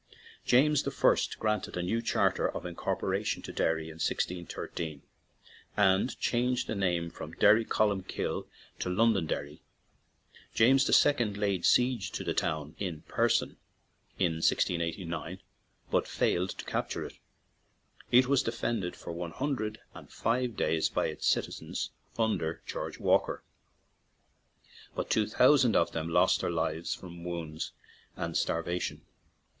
James I. granted a new charter of in corporation to Derry in 16 1 3, and changed the name from Derrycolumcilie to London derry. James II. laid siege to the town in person in 1689, but failed to capture it. It was defended for one hundred and five days by its citizens under George Walker, but two thousand of them lost their lives from wounds and starvation.